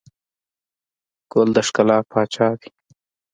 ګل د ښکلا پاچا دی.